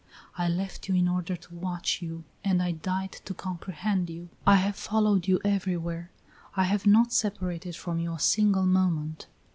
I left you in order to watch you and I died to comprehend you. I have followed you everywhere; I have not separated from you a single moment.